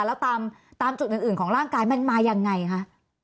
แล้วตามจุดอื่นของร่างกายมันมายังไงคะ